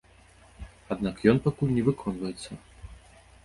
Аднак ён пакуль не выконваецца.